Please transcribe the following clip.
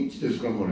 これ。